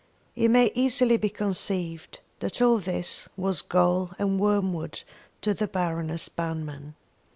It may easily be conceived that all this was gall and wormwood to the Baroness Banmann.